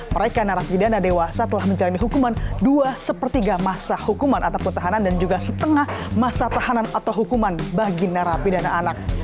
mereka narapidana dewasa telah menjalani hukuman dua sepertiga masa hukuman ataupun tahanan dan juga setengah masa tahanan atau hukuman bagi narapidana anak